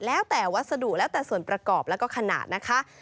แล้วแต่วัสดุแล้วแต่ส่วนประกอบแล้วก็ขนาดนะคะ